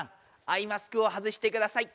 アイマスクを外してください！